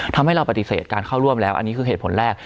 ทำให้เราปฏิเสธการเข้าร่วมแล้วอันนี้คือเหตุผลแรก